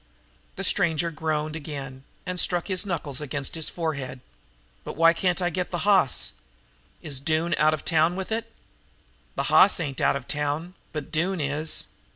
The stranger groaned again and struck his knuckles against his forehead. "But why can't I get the hoss? Is Doone out of town with it?" "The hoss ain't out of town, but Doone is."